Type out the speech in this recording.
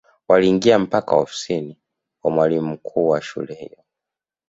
waliingia mpaka ofisini kwa mwalimu mkuu wa shule hiyo